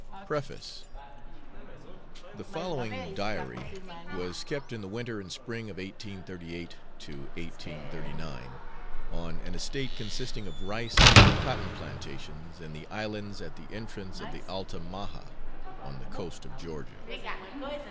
PREFACE. The following diary was kept in the winter and spring of 1838 9, on an estate consisting of rice and cotton plantations, in the islands at the entrance of the Altamaha, on the coast of Georgia.